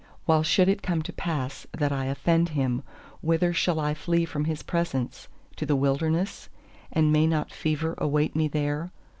While should it come to pass that I offend him, whither shall I flee from his presence? To the wilderness? And may not fever await me there?